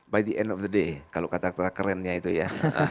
by the end of the day kalau kata kata kerennya itu ya